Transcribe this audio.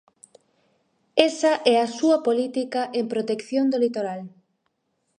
Esa é a súa política en protección do litoral.